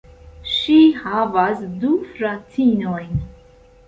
Ŝi havas du fratinojn.